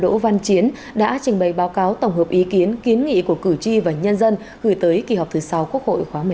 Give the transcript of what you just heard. đỗ văn chiến đã trình bày báo cáo tổng hợp ý kiến kiến nghị của cử tri và nhân dân gửi tới kỳ họp thứ sáu quốc hội khóa một mươi năm